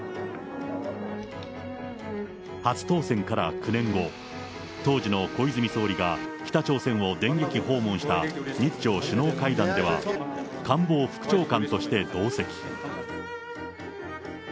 初当選から９年後、当時の小泉総理が北朝鮮を電撃訪問した日朝首脳会談では、官房副長官として同席。